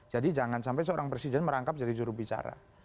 jadi jangan sampai seorang presiden merangkap jadi jurubicara